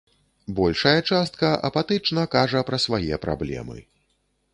Большая частка апатычна кажа пра свае праблемы.